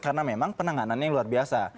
karena memang penanganannya yang luar biasa